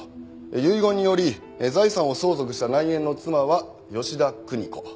遺言により財産を相続した内縁の妻は吉田久仁子。